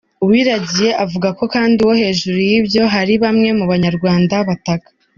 Uwiragiye avuga kandi ko hejuru y’ibyo hari bamwe mu Banyarwanda bataka.